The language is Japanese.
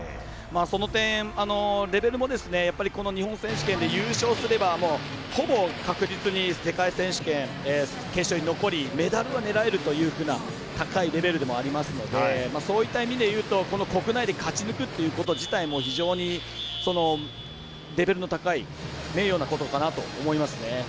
その点レベルもこの日本選手権で優勝すればほぼ確実に世界選手権決勝に残りメダルは狙えるというふうな高いレベルでもありますのでそういった意味で言うと国内で勝ち抜くということ自体も非常にレベルの高い名誉なことかなと思いますね。